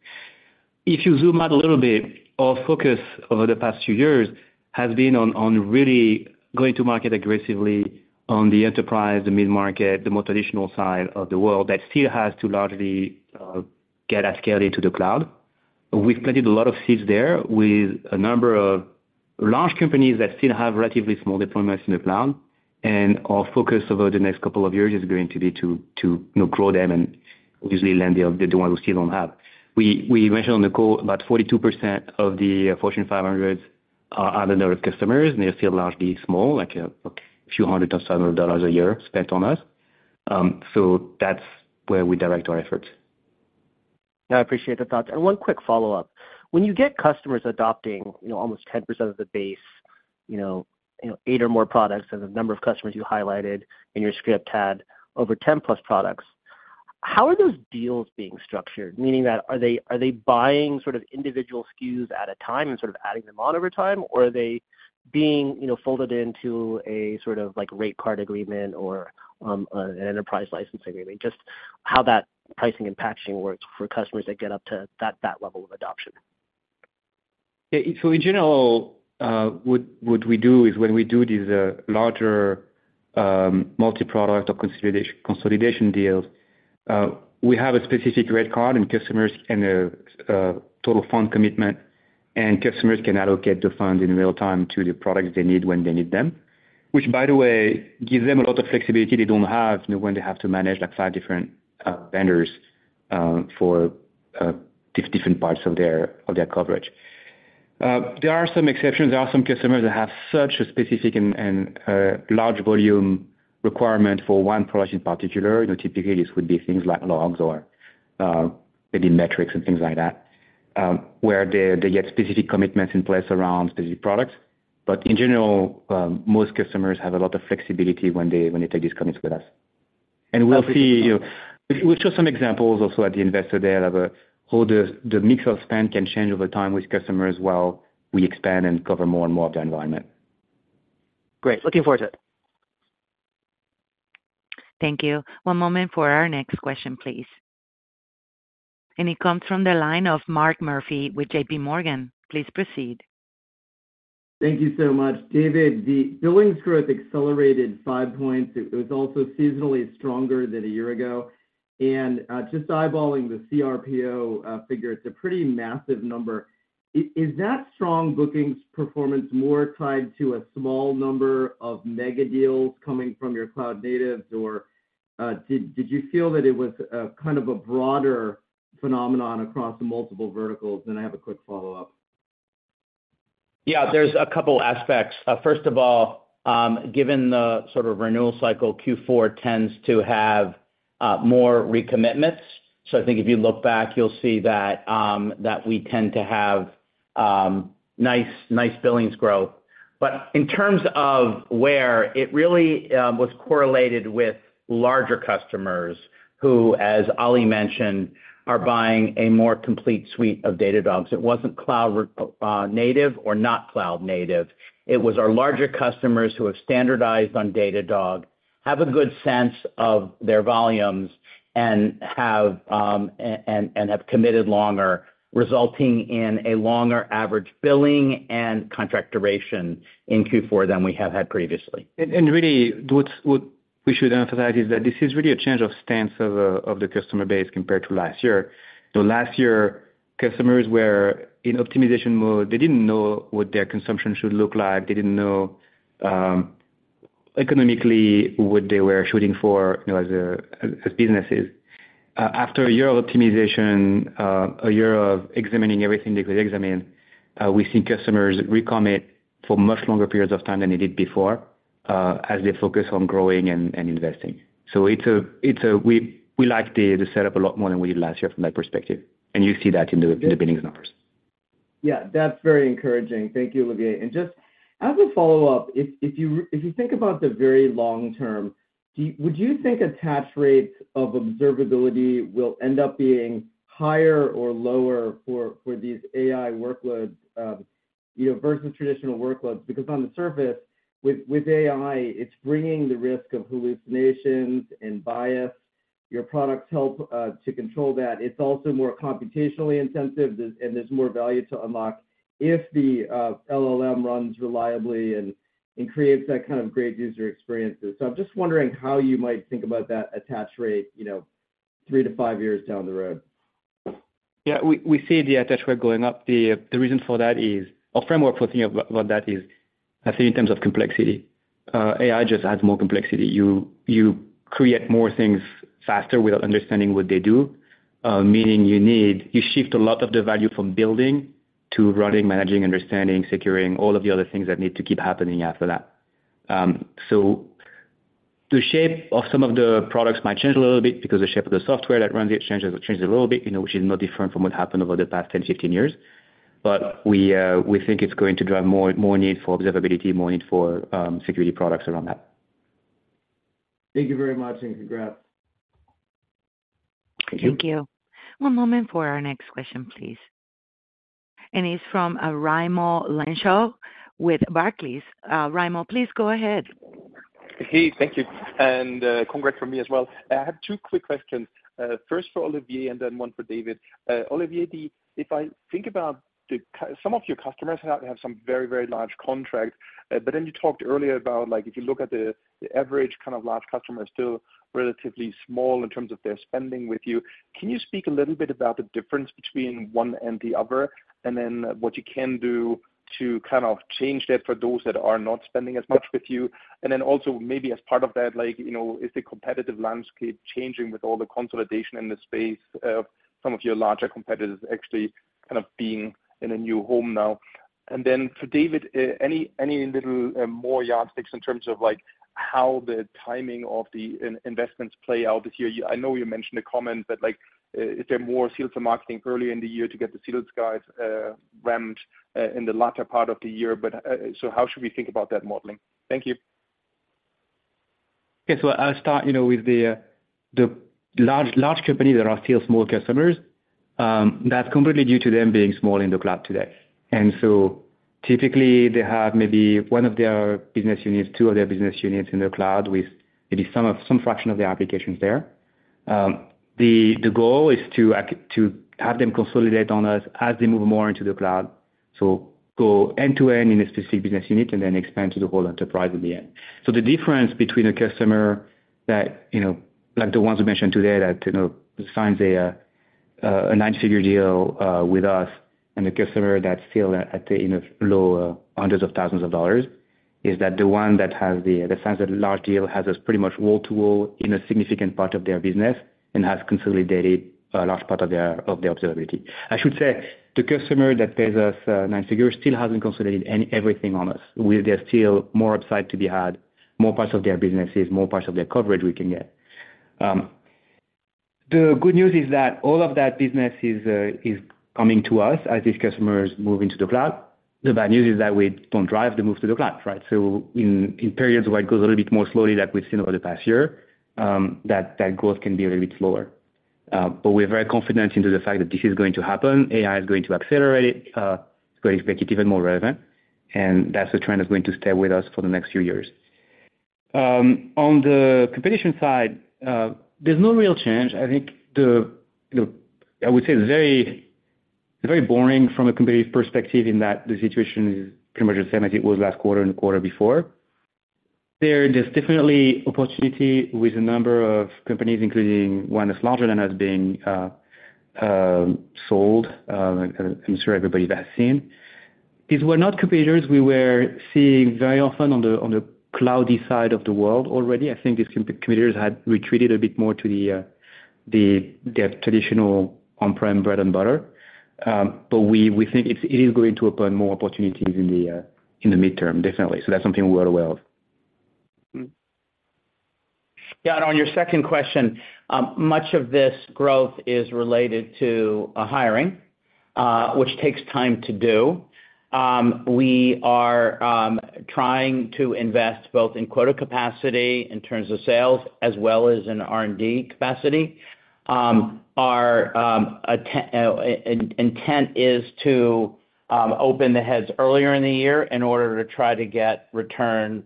If you zoom out a little bit, our focus over the past few years has been on really going to market aggressively on the enterprise, the mid-market, the more traditional side of the world that still has to largely get us carried into the cloud. We've planted a lot of seeds there with a number of large companies that still have relatively small deployments in the cloud, and our focus over the next couple of years is going to be to you know, grow them and obviously land the ones who still don't have. We mentioned on the call, about 42% of the Fortune 500 are the customers, and they're still largely small, like a few hundred thousand dollars a year spent on us. So that's where we direct our efforts. I appreciate the thoughts. And one quick follow-up: When you get customers adopting, you know, almost 10% of the base, you know, you know, 8 or more products, and the number of customers you highlighted in your script had over 10+ products, how are those deals being structured? Meaning that are they, are they buying sort of individual SKUs at a time and sort of adding them on over time, or are they being, you know, folded into a sort of like rate card agreement or an enterprise licensing agreement? Just how that pricing and packaging works for customers that get up to that, that level of adoption. ... Yeah, so in general, what we do is when we do these larger multi-product or consolidation deals, we have a specific rate card, and customers and a total fund commitment, and customers can allocate the funds in real time to the products they need when they need them. Which, by the way, gives them a lot of flexibility they don't have when they have to manage, like, five different vendors for different parts of their coverage. There are some exceptions. There are some customers that have such a specific and large volume requirement for one product in particular. You know, typically this would be things like logs or maybe metrics and things like that, where they get specific commitments in place around specific products. But in general, most customers have a lot of flexibility when they, when they take these commits with us. And we'll see, you know, we'll show some examples also at the investor day of how the mix of spend can change over time with customers while we expand and cover more and more of their environment. Great. Looking forward to it. Thank you. One moment for our next question, please. It comes from the line of Mark Murphy with J.P. Morgan. Please proceed. Thank you so much. David, the Billings growth accelerated 5 points. It, it was also seasonally stronger than a year ago. And, just eyeballing the CRPO figure, it's a pretty massive number. Is, is that strong bookings performance more tied to a small number of mega deals coming from your cloud natives, or, did, did you feel that it was a kind of a broader phenomenon across multiple verticals? Then I have a quick follow-up. Yeah, there's a couple aspects. First of all, given the sort of renewal cycle, Q4 tends to have more recommitments. So I think if you look back, you'll see that we tend to have nice billings growth. But in terms of where it really was correlated with larger customers who, as Oli mentioned, are buying a more complete suite of Datadog. It wasn't cloud native or not cloud native. It was our larger customers who have standardized on Datadog, have a good sense of their volumes, and have committed longer, resulting in a longer average billing and contract duration in Q4 than we have had previously. And really, what we should emphasize is that this is really a change of stance of the customer base compared to last year. So last year, customers were in optimization mode. They didn't know what their consumption should look like. They didn't know economically, what they were shooting for, you know, as businesses. After a year of optimization, a year of examining everything they could examine, we see customers recommit for much longer periods of time than they did before, as they focus on growing and investing. So it's a, it's a. We like the setup a lot more than we did last year from that perspective, and you see that in the billings numbers. Yeah, that's very encouraging. Thank you, Olivier. And just as a follow-up, if you think about the very long term, do you - would you think attach rates of observability will end up being higher or lower for these AI workloads, you know, versus traditional workloads? Because on the surface, with AI, it's bringing the risk of hallucinations and bias. Your products help to control that. It's also more computationally intensive, and there's more value to unlock if the LLM runs reliably and creates that kind of great user experiences. So I'm just wondering how you might think about that attach rate, you know, three to five years down the road. Yeah, we see the attach rate going up. The reason for that is... A framework for thinking about that is, I think in terms of complexity. AI just adds more complexity. You create more things faster without understanding what they do, meaning you shift a lot of the value from building to running, managing, understanding, securing, all of the other things that need to keep happening after that. So the shape of some of the products might change a little bit because the shape of the software that runs it changes, it changes a little bit, you know, which is no different from what happened over the past 10, 15 years. But we think it's going to drive more need for observability, more need for security products around that. Thank you very much, and congrats. Thank you. One moment for our next question, please. And it's from, Raimo Lenschow with Barclays. Raimo, please go ahead. Hey, thank you, and congrats from me as well. I have two quick questions, first for Olivier and then one for David. Olivier, if I think about some of your customers have some very, very large contracts, but then you talked earlier about, like, if you look at the average kind of large customer, still relatively small in terms of their spending with you. Can you speak a little bit about the difference between one and the other, and then what you can do to kind of change that for those that are not spending as much with you? And then also, maybe as part of that, like, you know, is the competitive landscape changing with all the consolidation in the space of some of your larger competitors actually kind of being in a new home now? And then for David, any little more yardsticks in terms of, like, how the timing of the investments play out this year? I know you mentioned the comment, but, like, is there more sales and marketing early in the year to get the sales guys ramped in the latter part of the year? But, so how should we think about that modeling? Thank you. Okay, so I'll start, you know, with the large, large companies that are still small customers. That's completely due to them being small in the cloud today. And so typically, they have maybe one of their business units, two of their business units in the cloud, with maybe some of, some fraction of their applications there. The goal is to have them consolidate on us as they move more into the cloud. So go end-to-end in a specific business unit and then expand to the whole enterprise in the end. So the difference between a customer that, you know, like the ones we mentioned today, that, you know, signs a nine-figure deal with us, and a customer that's still at the, you know, low hundreds of thousands of dollars, is that the one that has the, that signs that large deal has us pretty much wall-to-wall in a significant part of their business and has consolidated a large part of their, of their observability. I should say, the customer that pays us nine figures still hasn't consolidated everything on us. There's still more upside to be had, more parts of their businesses, more parts of their coverage we can get. The good news is that all of that business is coming to us as these customers move into the cloud. The bad news is that we don't drive the move to the cloud, right? So in periods where it goes a little bit more slowly, like we've seen over the past year, that growth can be a little bit slower. But we're very confident in the fact that this is going to happen. AI is going to accelerate it. It's going to make it even more relevant, and that's a trend that's going to stay with us for the next few years. On the competition side, there's no real change. I think, you know, I would say very, very boring from a competitive perspective, in that the situation is pretty much the same as it was last quarter and the quarter before. There is definitely opportunity with a number of companies, including one that's larger than us being sold. I'm sure everybody has seen. These were not competitors we were seeing very often on the cloud side of the world already. I think these competitors had retreated a bit more to the traditional on-prem bread and butter. But we think it is going to open more opportunities in the midterm, definitely. So that's something we're aware of. Yeah, and on your second question, much of this growth is related to hiring, which takes time to do. We are trying to invest both in quota capacity, in terms of sales, as well as in R&D capacity. Our intent is to open the heads earlier in the year in order to try to get return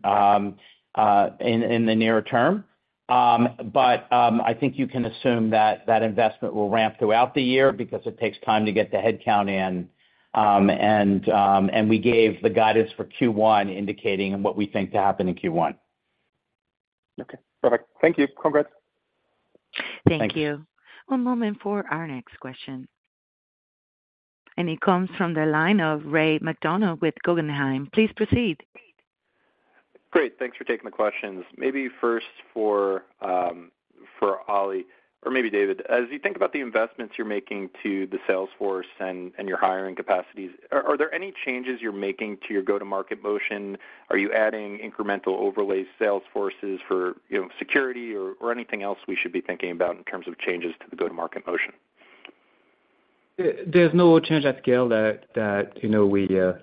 in the nearer term. But I think you can assume that that investment will ramp throughout the year because it takes time to get the headcount in. And we gave the guidance for Q1, indicating what we think to happen in Q1. Okay, perfect. Thank you. Congrats. Thank you. Thanks. One moment for our next question. It comes from the line of Raymond McDonough with Guggenheim. Please proceed. Great. Thanks for taking the questions. Maybe first for, for Oli or maybe David. As you think about the investments you're making to the sales force and your hiring capacities, are there any changes you're making to your go-to-market motion? Are you adding incremental overlay sales forces for, you know, security or anything else we should be thinking about in terms of changes to the go-to-market motion? There's no change at scale that you know we are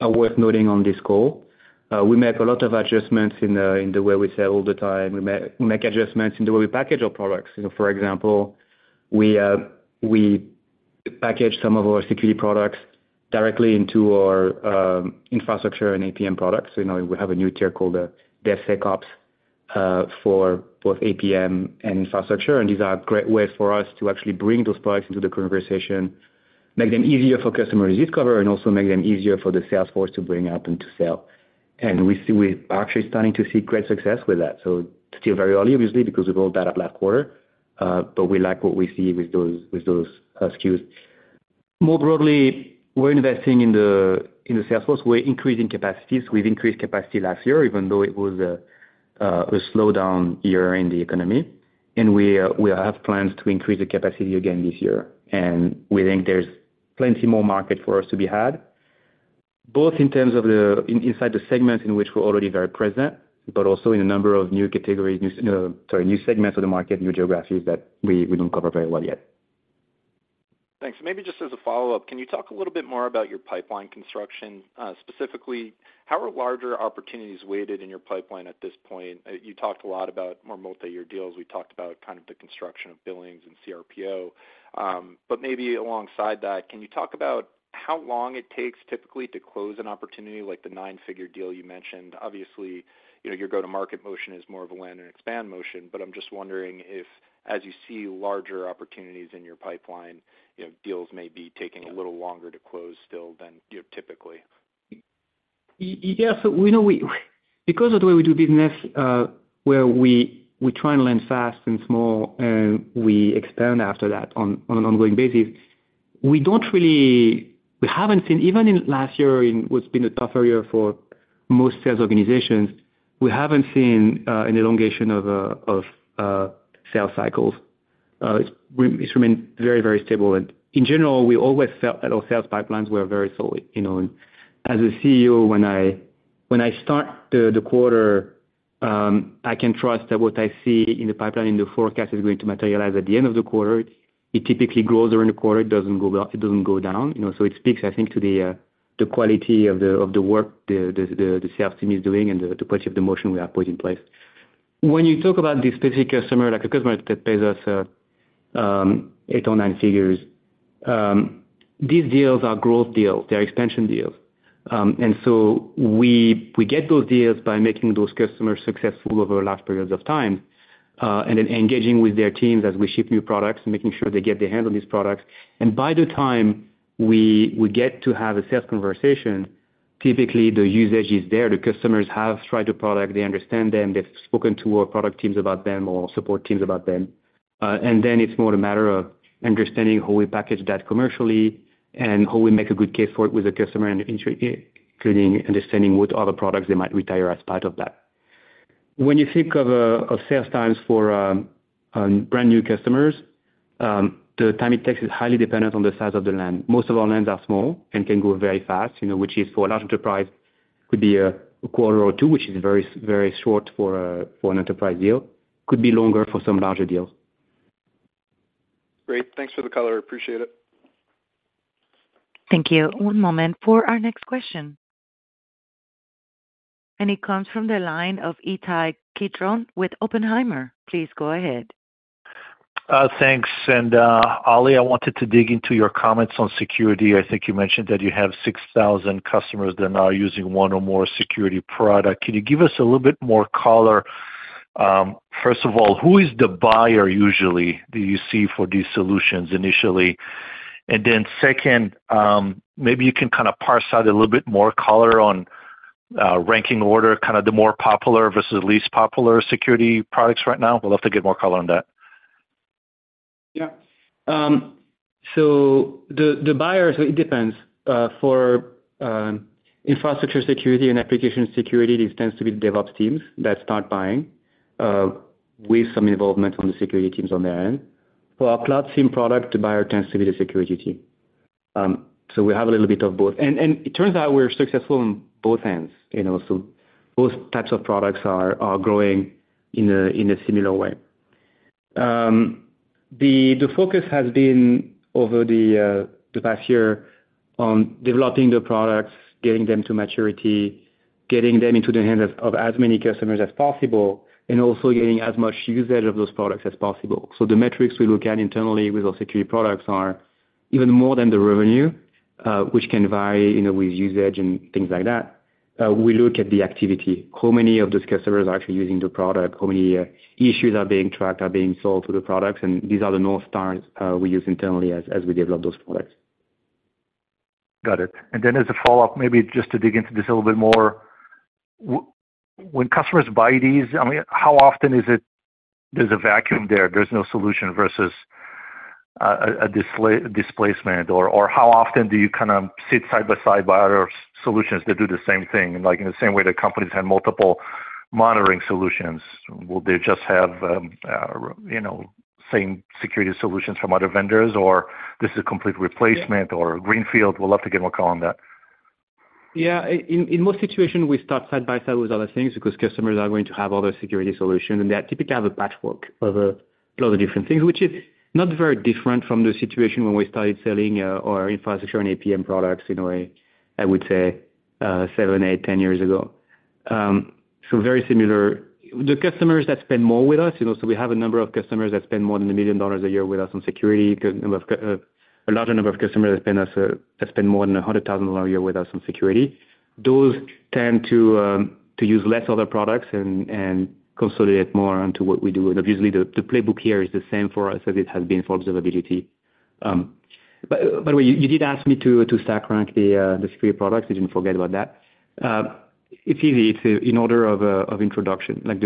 worth noting on this call. We make a lot of adjustments in the way we sell all the time. We make adjustments in the way we package our products. You know, for example, we package some of our security products directly into our infrastructure and APM products. You know, we have a new tier called DevSecOps for both APM and infrastructure. And these are great ways for us to actually bring those products into the conversation, make them easier for customers to discover, and also make them easier for the sales force to bring up and to sell. And we're actually starting to see great success with that. So still very early, obviously, because we built that up last quarter, but we like what we see with those, with those, SKUs. More broadly, we're investing in the sales force. We're increasing capacities. We've increased capacity last year, even though it was a slowdown year in the economy. And we have plans to increase the capacity again this year, and we think there's plenty more market for us to be had, both in terms of the in, inside the segments in which we're already very present, but also in a number of new categories, sorry, new segments of the market, new geographies that we, we don't cover very well yet. Thanks. Maybe just as a follow-up, can you talk a little bit more about your pipeline construction? Specifically, how are larger opportunities weighted in your pipeline at this point? You talked a lot about more multi-year deals. We talked about kind of the construction of billings and CRPO. But maybe alongside that, can you talk about how long it takes typically to close an opportunity, like the nine-figure deal you mentioned? Obviously, you know, your go-to-market motion is more of a land and expand motion, but I'm just wondering if, as you see larger opportunities in your pipeline, you know, deals may be taking a little longer to close still than, you know, typically. Yes, we know because of the way we do business, where we try and learn fast and small, we expand after that on an ongoing basis. We haven't seen, even in last year, in what's been a tougher year for most sales organizations, an elongation of sales cycles. It's remained very, very stable. In general, we always felt that our sales pipelines were very solid, you know. As a CEO, when I start the quarter, I can trust that what I see in the pipeline, in the forecast, is going to materialize at the end of the quarter. It typically grows during the quarter. It doesn't go up, it doesn't go down. You know, so it speaks, I think, to the quality of the work the sales team is doing and the quality of the motion we have put in place. When you talk about the specific customer, like a customer that pays us eight or nine figures. These deals are growth deals, they're expansion deals. And so we get those deals by making those customers successful over large periods of time, and then engaging with their teams as we ship new products and making sure they get their hands on these products. And by the time we get to have a sales conversation, typically the usage is there. The customers have tried the product, they understand them, they've spoken to our product teams about them or support teams about them. And then it's more a matter of understanding how we package that commercially and how we make a good case for it with the customer, and including understanding what other products they might retire as part of that. When you think of sales times for brand new customers, the time it takes is highly dependent on the size of the LAN. Most of our LANs are small and can go very fast, you know, which is for a large enterprise, could be a quarter or two, which is very, very short for a, for an enterprise deal. Could be longer for some larger deals. Great. Thanks for the color. I appreciate it. Thank you. One moment for our next question. It comes from the line of Ittai Kidron with Oppenheimer. Please go ahead. Thanks. Oli, I wanted to dig into your comments on security. I think you mentioned that you have 6,000 customers that are now using one or more security product. Can you give us a little bit more color? First of all, who is the buyer usually, do you see for these solutions initially? And then second, maybe you can kind of parse out a little bit more color on, ranking order, kind of the more popular versus the least popular security products right now. Would love to get more color on that. Yeah. So the buyers, it depends. For infrastructure security and application security, this tends to be the DevOps teams that start buying with some involvement from the security teams on their end. For our Cloud SIEM product, the buyer tends to be the security team. So we have a little bit of both. And it turns out we're successful on both ends, you know, so both types of products are growing in a similar way. The focus has been over the past year on developing the products, getting them to maturity, getting them into the hands of as many customers as possible, and also getting as much usage of those products as possible. So the metrics we look at internally with our security products are even more than the revenue, which can vary, you know, with usage and things like that. We look at the activity. How many of those customers are actually using the product? How many issues are being tracked, are being solved through the products? And these are the north stars we use internally as we develop those products. Got it. And then as a follow-up, maybe just to dig into this a little bit more. When customers buy these, I mean, how often is it there's a vacuum there, there's no solution versus a displacement? Or how often do you kind of sit side by side by other solutions that do the same thing? Like, in the same way that companies have multiple monitoring solutions, will they just have, you know, same security solutions from other vendors, or this is a complete replacement- Yeah. or greenfield? Would love to get more color on that. Yeah. In most situations, we start side by side with other things because customers are going to have other security solutions, and they typically have a patchwork of a lot of different things, which is not very different from the situation when we started selling our infrastructure and APM products in a way, I would say, 7, 8, 10 years ago. So very similar. The customers that spend more with us, you know, so we have a number of customers that spend more than $1 million a year with us on security. We have a larger number of customers that spend more than $100,000 a year with us on security. Those tend to use less other products and consolidate more onto what we do. Obviously, the playbook here is the same for us as it has been for observability. But by the way, you did ask me to stack rank the security products. I didn't forget about that. It's easy to... In order of introduction, like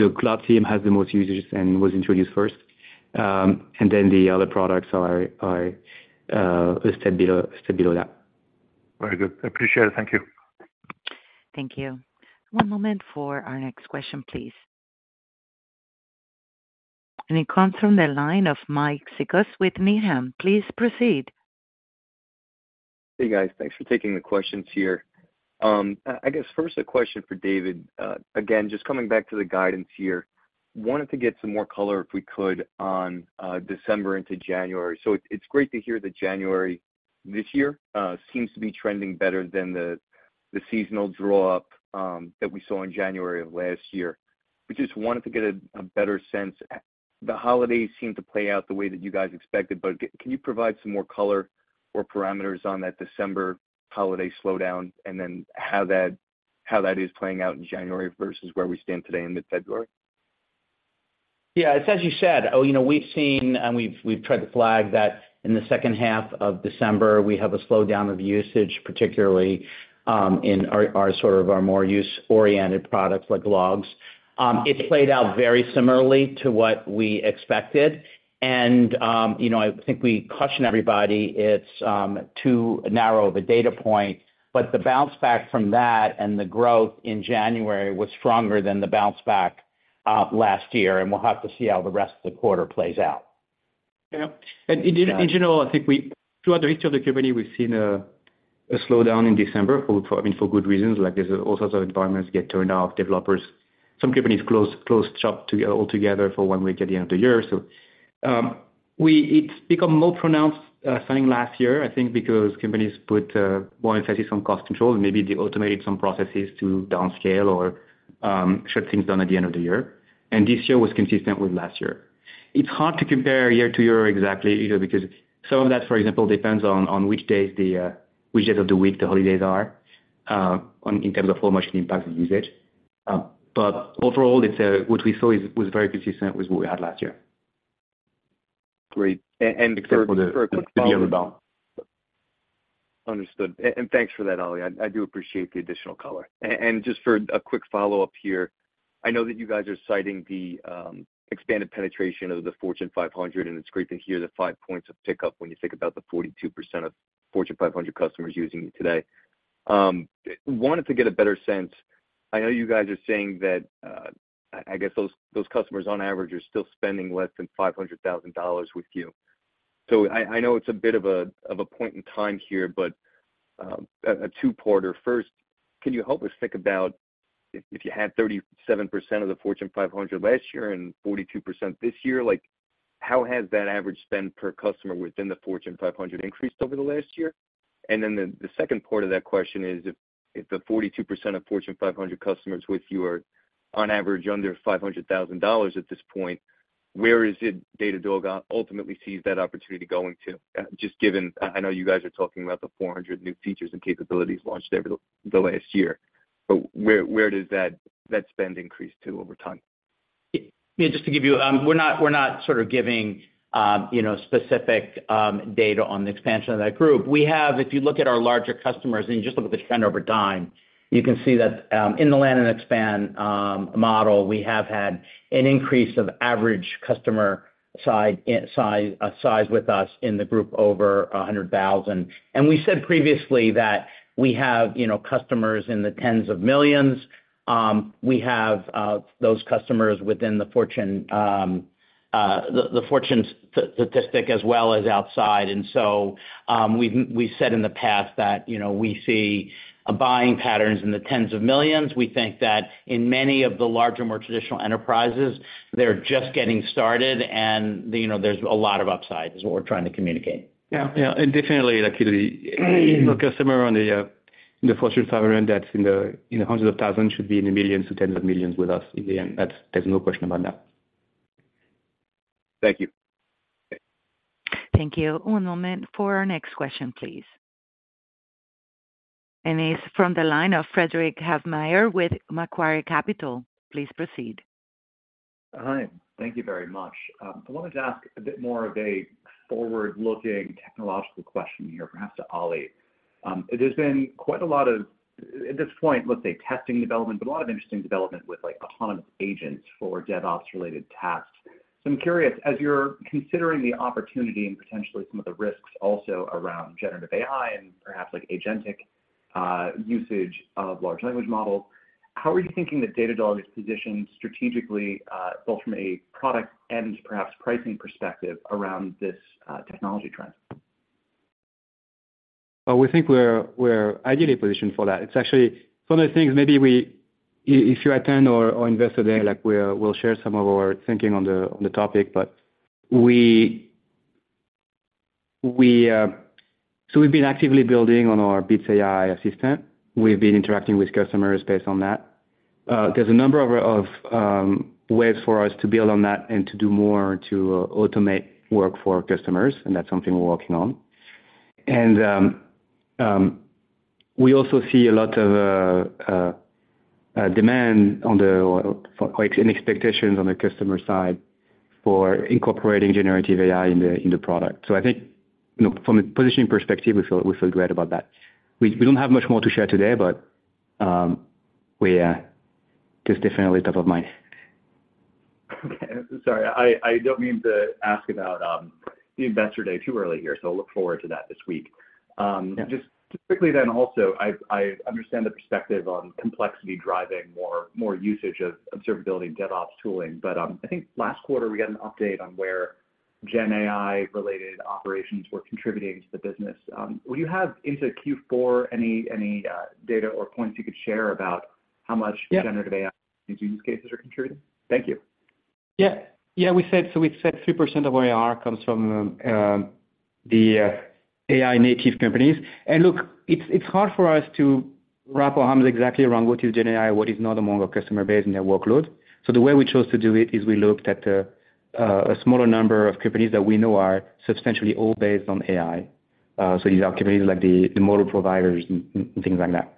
the Cloud SIEM has the most users and was introduced first, and then the other products are a step below that. Very good. I appreciate it. Thank you. Thank you. One moment for our next question, please. It comes from the line of Mike Cikos with Needham. Please proceed. Hey, guys. Thanks for taking the questions here. I guess first a question for David. Again, just coming back to the guidance here, wanted to get some more color, if we could, on December into January. So it's great to hear that January this year seems to be trending better than the seasonal drop that we saw in January of last year. We just wanted to get a better sense. The holidays seemed to play out the way that you guys expected, but can you provide some more color or parameters on that December holiday slowdown, and then how that is playing out in January versus where we stand today in mid-February? Yeah, it's as you said. Oh, you know, we've seen and we've tried to flag that in the second half of December, we have a slowdown of usage, particularly in our sort of our more use-oriented products like logs. It played out very similarly to what we expected. You know, I think we cautioned everybody it's too narrow of a data point, but the bounce back from that and the growth in January was stronger than the bounce back last year, and we'll have to see how the rest of the quarter plays out. Yeah. In general, I think throughout the rest of the company, we've seen a slowdown in December for, I mean, for good reasons, like, there's all sorts of environments get turned off, developers. Some companies closed shop altogether for one week at the end of the year. So, it's become more pronounced, starting last year, I think because companies put more emphasis on cost control, maybe they automated some processes to downscale or shut things down at the end of the year. This year was consistent with last year. It's hard to compare year to year exactly, you know, because some of that, for example, depends on which days of the week the holidays are on, in terms of how much it impacts the usage. But overall, it's what we saw was very consistent with what we had last year. Great. And, and- Except for the rebound. Understood. And thanks for that, Oli. I do appreciate the additional color. And just for a quick follow-up here, I know that you guys are citing the expanded penetration of the Fortune 500, and it's great to hear the 5 points of pickup when you think about the 42% of Fortune 500 customers using it today. Wanted to get a better sense. I know you guys are saying that, I guess those customers on average are still spending less than $500,000 with you. So I know it's a bit of a point in time here, but a two-parter. First, can you help us think about if, if you had 37% of the Fortune 500 last year and 42% this year, like, how has that average spend per customer within the Fortune 500 increased over the last year? And then the second part of that question is, if, if the 42% of Fortune 500 customers with you are on average under $500,000 at this point, where is it Datadog ultimately sees that opportunity going to? Just given, I know you guys are talking about the 400 new features and capabilities launched over the last year, but where does that spend increase to over time? Yeah, just to give you, we're not sort of giving, you know, specific data on the expansion of that group. We have... If you look at our larger customers and you just look at the trend over time, you can see that, in the land and expand model, we have had an increase of average customer spend size with us in the group over $100,000. And we said previously that we have, you know, customers in the tens of millions. We have those customers within the Fortune 500 as well as outside. And so, we've said in the past that, you know, we see buying patterns in the tens of millions. We think that in many of the larger, more traditional enterprises, they're just getting started, and the, you know, there's a lot of upside, is what we're trying to communicate. Yeah. Yeah, and definitely, like, you know, customer in the Fortune 500, that's in the hundreds of thousands, should be in the millions to tens of millions with us in the end. That's, there's no question about that. Thank you. Thank you. One moment for our next question, please. It's from the line of Frederick Havemeyer with Macquarie Capital. Please proceed. Hi. Thank you very much. I wanted to ask a bit more of a forward-looking technological question here, perhaps to Oli. There's been quite a lot of, at this point, let's say, testing development, but a lot of interesting development with, like, autonomous agents for DevOps-related tasks. So I'm curious, as you're considering the opportunity and potentially some of the risks also around generative AI and perhaps like agentic usage of large language models, how are you thinking that Datadog is positioned strategically both from a product and perhaps pricing perspective around this technology trend? Well, we think we're, we're ideally positioned for that. It's actually one of the things maybe we, if you attend our, our Investor Day, like, we'll, we'll share some of our thinking on the, on the topic, but we, we. So we've been actively building on our Bits AI assistant. We've been interacting with customers based on that. There's a number of, of ways for us to build on that and to do more to automate work for customers, and that's something we're working on. And, we also see a lot of demand on the, or, like, and expectations on the customer side for incorporating Generative AI in the, in the product. So I think, you know, from a positioning perspective, we feel, we feel great about that. We don't have much more to share today, but it's definitely top of mind. Okay. Sorry, I don't mean to ask about the Investor Day too early here, so I look forward to that this week. Yeah. Just quickly then also, I've, I understand the perspective on complexity driving more, more usage of, of observability and DevOps tooling, but, I think last quarter we got an update on where Gen AI-related operations were contributing to the business. Will you have into Q4 any data or points you could share about how much- Yeah... generative AI use cases are contributing? Thank you. Yeah. Yeah, we said, so we said 3% of ARR comes from the AI native companies. And look, it's hard for us to wrap our arms exactly around what is Gen AI, what is not, among our customer base and their workload. So the way we chose to do it is we looked at a smaller number of companies that we know are substantially all based on AI. So these are companies like the model providers and things like that.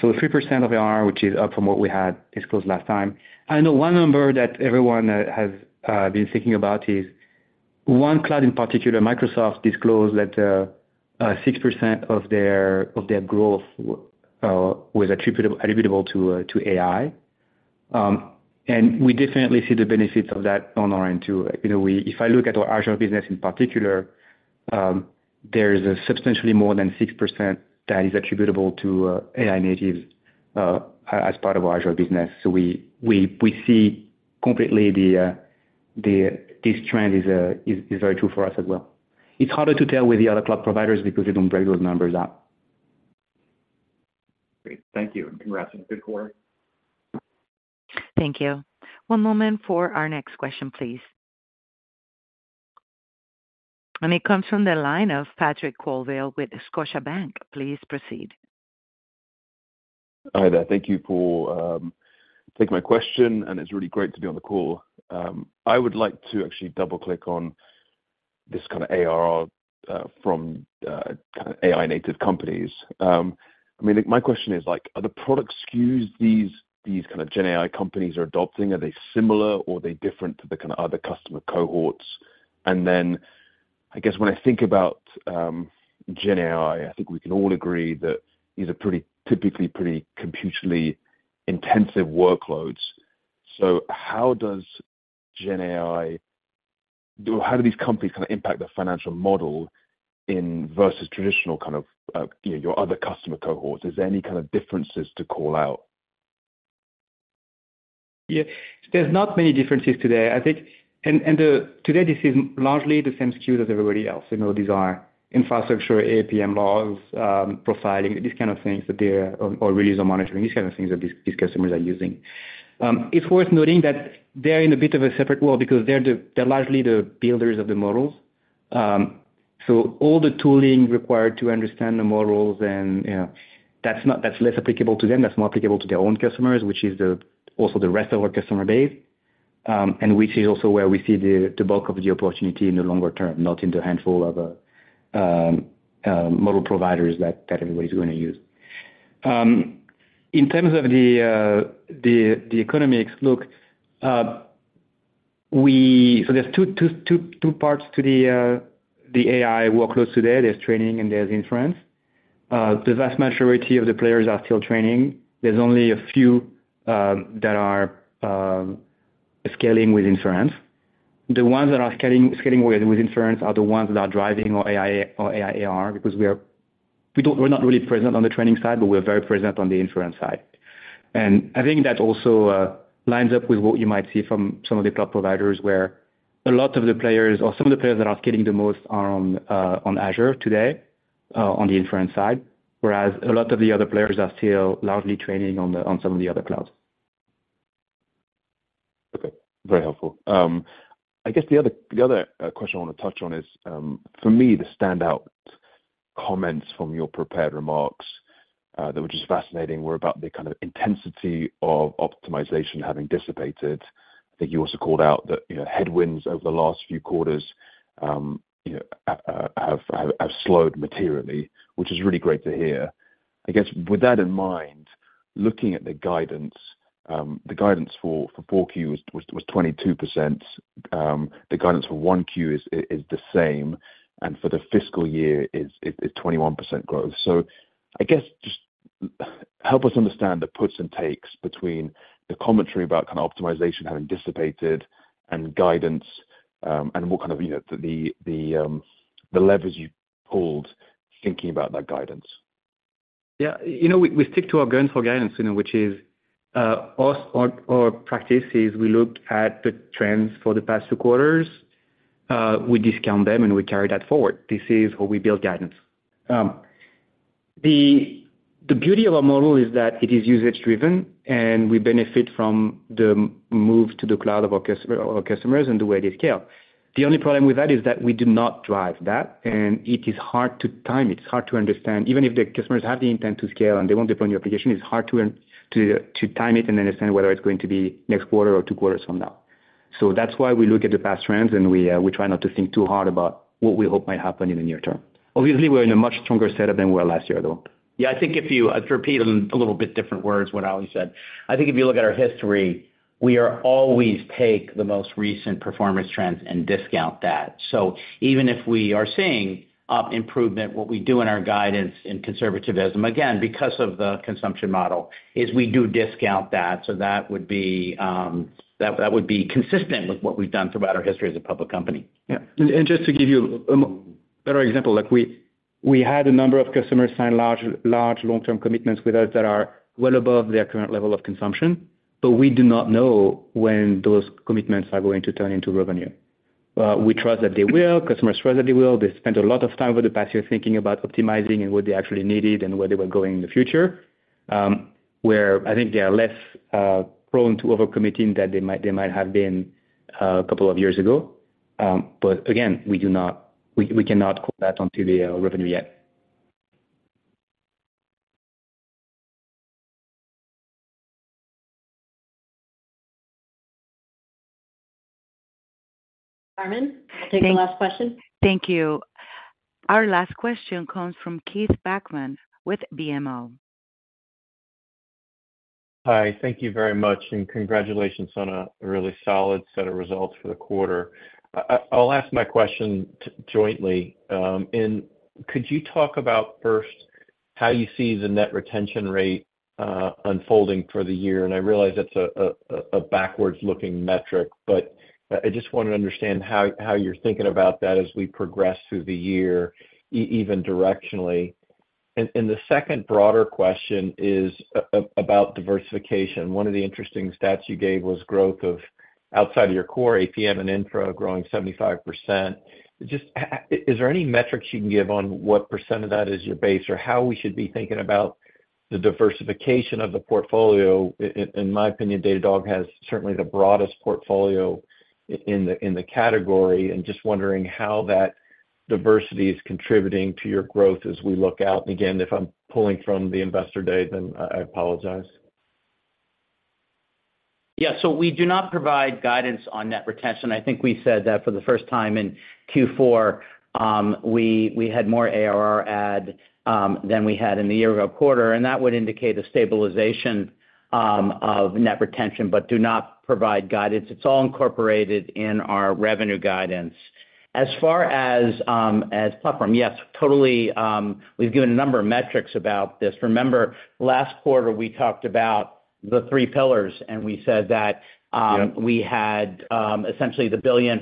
So 3% of ARR, which is up from what we had disclosed last time. I know one number that everyone has been thinking about is one cloud in particular, Microsoft, disclosed that 6% of their growth was attributable to AI. We definitely see the benefits of that on our end too. You know, if I look at our Azure business in particular, there is substantially more than 6% that is attributable to AI Native as part of our Azure business. So we see completely that this trend is very true for us as well. It's harder to tell with the other cloud providers because they don't break those numbers out. Great. Thank you, and congrats on a good quarter. Thank you. One moment for our next question, please. It comes from the line of Patrick Colville with Scotiabank. Please proceed.... Hi there. Thank you for taking my question, and it's really great to be on the call. I would like to actually double-click on this kind of ARR from kind of AI-native companies. I mean, my question is like, are the product SKUs, these kind of GenAI companies are adopting, are they similar, or are they different to the kind of other customer cohorts? And then, I guess when I think about GenAI, I think we can all agree that these are pretty, typically pretty computationally intensive workloads. So how does GenAI - or how do these companies kind of impact the financial model in versus traditional kind of, you know, your other customer cohorts? Is there any kind of differences to call out? Yeah, there's not many differences today. I think and today, this is largely the same SKU as everybody else. You know, these are infrastructure, APM, logs, profiling, these kind of things, that they're, or release or monitoring, these kind of things that these, these customers are using. It's worth noting that they're in a bit of a separate world because they're the builders of the models. So all the tooling required to understand the models and, you know, that's not that's less applicable to them, that's more applicable to their own customers, which is also the rest of our customer base. And which is also where we see the bulk of the opportunity in the longer term, not in the handful of model providers that everybody's gonna use. In terms of the economics, look, so there are two parts to the AI workloads today: There's training, and there's inference. The vast majority of the players are still training. There's only a few that are scaling with inference. The ones that are scaling with inference are the ones that are driving our AI ARR, because we're not really present on the training side, but we're very present on the inference side. And I think that also lines up with what you might see from some of the cloud providers, where a lot of the players or some of the players that are scaling the most are on Azure today, on the inference side. Whereas a lot of the other players are still largely training on some of the other clouds. Okay, very helpful. I guess the other, the other, question I wanna touch on is, for me, the standout comments from your prepared remarks, that were just fascinating, were about the kind of intensity of optimization having dissipated. I think you also called out that, you know, headwinds over the last few quarters, you know, have slowed materially, which is really great to hear. I guess, with that in mind, looking at the guidance, the guidance for Q4 was 22%. The guidance for Q1 is the same, and for the fiscal year is 21% growth. So I guess just help us understand the puts and takes between the commentary about kind of optimization having dissipated and guidance, and what kind of, you know, the levers you pulled thinking about that guidance? Yeah. You know, we stick to our guidance for guidance, you know, which is, our practice is we look at the trends for the past two quarters, we discount them, and we carry that forward. This is how we build guidance. The beauty of our model is that it is usage driven, and we benefit from the move to the cloud of our customer, our customers and the way they scale. The only problem with that is that we do not drive that, and it is hard to time it. It's hard to understand. Even if the customers have the intent to scale, and they want to deploy new application, it's hard to time it and understand whether it's going to be next quarter or two quarters from now. So that's why we look at the past trends, and we try not to think too hard about what we hope might happen in the near term. Obviously, we're in a much stronger setup than we were last year, though. Yeah, I think if you to repeat in a little bit different words what Oli said. I think if you look at our history, we are always take the most recent performance trends and discount that. So even if we are seeing up improvement, what we do in our guidance in conservativism, again, because of the consumption model, is we do discount that. So that would be, that would be consistent with what we've done throughout our history as a public company. Just to give you a better example, like we had a number of customers sign large long-term commitments with us that are well above their current level of consumption, but we do not know when those commitments are going to turn into revenue. We trust that they will, customers trust that they will. They spent a lot of time over the past year thinking about optimizing and what they actually needed and where they were going in the future. Where I think they are less prone to over-committing than they might have been a couple of years ago. But again, we cannot put that onto the revenue yet. Carmen, take the last question. Thank you. Our last question comes from Keith Bachman with BMO. Hi, thank you very much, and congratulations on a really solid set of results for the quarter. I'll ask my question jointly. And could you talk about, first, how you see the net retention rate unfolding for the year? And I realize that's a backwards-looking metric, but I just want to understand how you're thinking about that as we progress through the year even directionally. And the second broader question is about diversification. One of the interesting stats you gave was growth outside of your core, APM and Infra growing 75%. Just is there any metrics you can give on what percent of that is your base? Or how we should be thinking about the diversification of the portfolio? In my opinion, Datadog has certainly the broadest portfolio in the category, and just wondering how that diversity is contributing to your growth as we look out? Again, if I'm pulling from the Investor Day, then I apologize. Yeah. So we do not provide guidance on net retention. I think we said that for the first time in Q4, we had more ARR add than we had in the year ago quarter, and that would indicate a stabilization of net retention, but do not provide guidance. It's all incorporated in our revenue guidance. As far as as platform, yes, totally, we've given a number of metrics about this. Remember, last quarter we talked about the three pillars, and we said that, Yep We had essentially $1.5 billion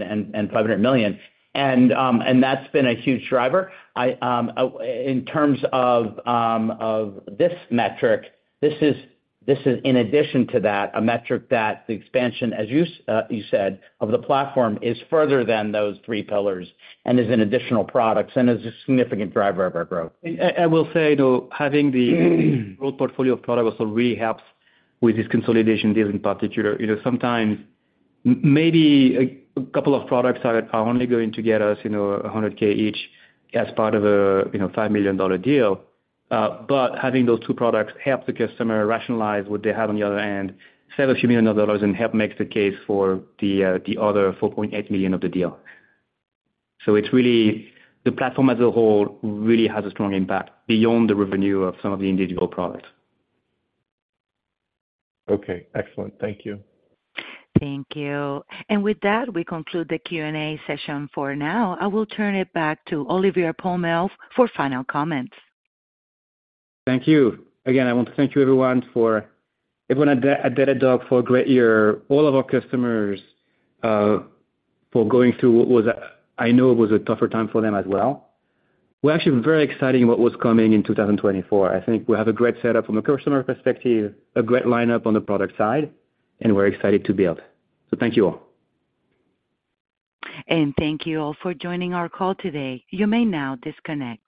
and $500 million. And that's been a huge driver. In terms of this metric, this is in addition to that, a metric that the expansion, as you said, of the platform is further than those three pillars and is in additional products and is a significant driver of our growth. I will say, though, having the old portfolio of products also really helps with this consolidation deal in particular. You know, sometimes maybe a couple of products are only going to get us, you know, $100K each as part of a, you know, $5 million deal. But having those two products help the customer rationalize what they have on the other hand, save a few million and help make the case for the other $4.8 million of the deal. So it's really, the platform as a whole really has a strong impact beyond the revenue of some of the individual products. Okay, excellent. Thank you. Thank you. With that, we conclude the Q&A session for now. I will turn it back to Olivier Pomel for final comments. Thank you. Again, I want to thank everyone at Datadog for a great year, all of our customers, for going through what was, I know it was a tougher time for them as well. We're actually very exciting what was coming in 2024. I think we have a great setup from a customer perspective, a great lineup on the product side, and we're excited to build. So thank you all. And thank you all for joining our call today. You may now disconnect.